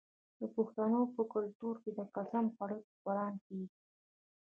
د پښتنو په کلتور کې د قسم خوړل په قران کیږي.